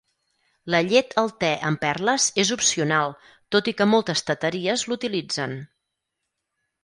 La llet al te amb perles és opcional, tot i que moltes teteries l'utilitzen.